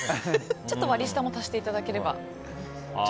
ちょっと割り下も足していただければ。